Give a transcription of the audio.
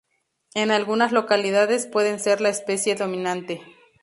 En algunas localidades puede ser la especie dominante.